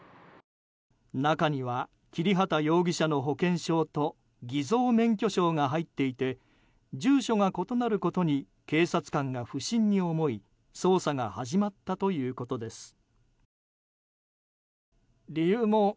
中には切畑容疑者の保険証と偽造免許証が入っていて住所が異なることに警察官が不審に思い捜査が始まったということです。